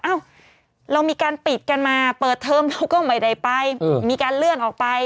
เอ้าเรามีการปิดกันมาเปิดเทอมเราก็ไม่ได้ไปมีการเลื่อนออกไป